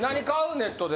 ネットで。